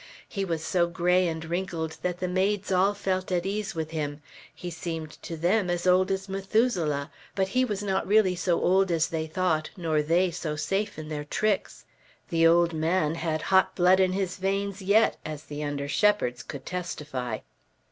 He was so gray and wrinkled that the maids all felt at ease with him. He seemed to them as old as Methuselah; but he was not really so old as they thought, nor they so safe in their tricks. The old man had hot blood in his veins yet, as the under shepherds could testify.